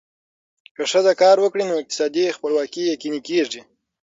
که ښځه کار وکړي، نو اقتصادي خپلواکي یقیني کېږي.